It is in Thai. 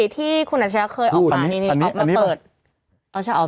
ที่คุณหนัชรักเคยออกมาออกมาเปิดออกมาเปิด